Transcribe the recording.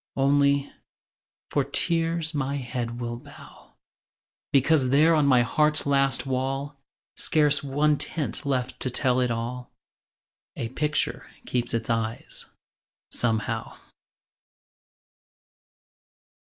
Only, for tears my head will bow, Because there on my heart's last wall, Scarce one tint left to tell it all, A picture keeps its eyes, somehow.